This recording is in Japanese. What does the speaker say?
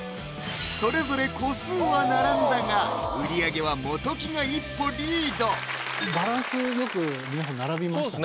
それぞれ個数は並んだが売り上げは元木が一歩リードバランスよく皆さん並びましたね